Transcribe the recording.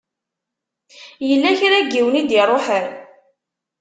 Yella kra n yiwen i d-iṛuḥen?